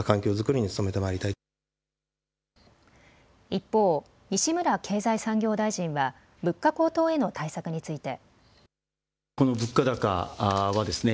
一方、西村経済産業大臣は物価高騰への対策について。